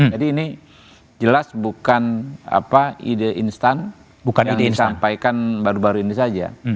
jadi ini jelas bukan ide instan yang disampaikan baru baru ini saja